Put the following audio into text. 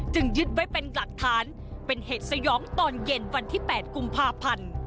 ยึดไว้เป็นหลักฐานเป็นเหตุสยองตอนเย็นวันที่๘กุมภาพันธ์